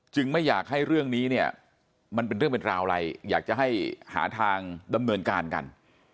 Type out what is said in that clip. ไม่อยากให้เรื่องนี้เนี่ยมันเป็นเรื่องเป็นราวอะไรอยากจะให้หาทางดำเนินการกัน